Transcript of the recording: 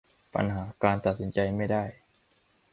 ปัญหาการตัดสินใจไม่ได้